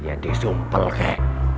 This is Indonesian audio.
dia disumpel kek